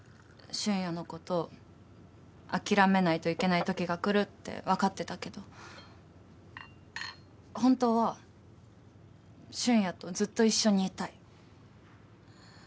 俊也のこと諦めないといけないときが来るって分かってたけど本当は俊也とずっと一緒にいたい。